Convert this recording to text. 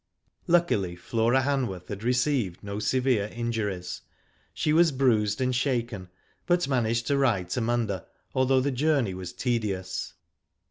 Luckily, Flora Hanworth had received no severe injuries. She was bruised and shaken, but managed to ride to Munda, although the journey was tedious.